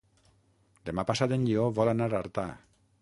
Demà passat en Lleó vol anar a Artà.